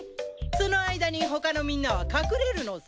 その間に他のみんなは隠れるのさ。